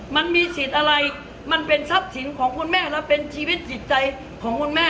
มันมีสิทธิ์อะไรมันเป็นทรัพย์สินของคุณแม่แล้วเป็นชีวิตจิตใจของคุณแม่